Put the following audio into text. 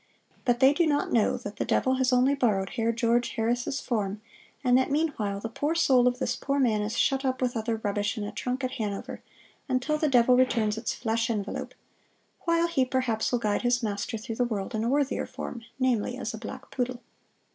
But they do not know that the devil has only borrowed Herr George Harris' form, and that meanwhile the poor soul of this poor man is shut up with other rubbish in a trunk at Hanover, until the devil returns its flesh envelope, while he perhaps will guide his master through the world in a worthier form namely as a black poodle."